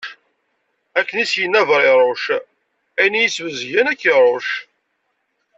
Akken i as-yenna Bṛiṛuc: ayen iyi-sbezgen, ad k-iṛuc.